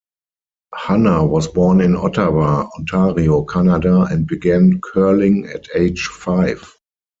Hanna was born in Ottawa, Ontario, Canada and began curling at age five.